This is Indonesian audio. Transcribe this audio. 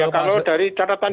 kalau dari catatan